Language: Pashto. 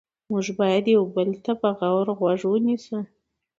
موږ باید یو بل ته په غور غوږ ونیسو